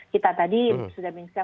kita tadi sudah bisa